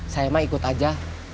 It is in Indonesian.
saya mah ikut aja